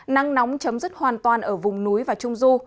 nắng nóng chấm dứt hoàn toàn ở vùng núi và trung du